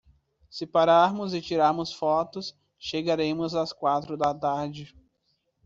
Se pararmos e tirarmos fotos, chegaremos às quatro da tarde.